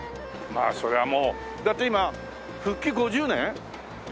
まあそりゃもうだって今復帰５０年？